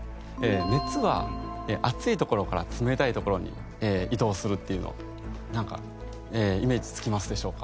熱は熱い所から冷たい所に移動するっていうのイメージつきますでしょうか？